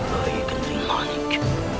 rai kentring manik